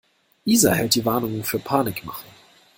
Isa hält die Warnungen für Panikmache.